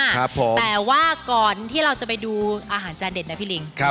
แต่ว่าก่อนที่เราจะไปดูอาหารจานเด่นน่ะพี่ริง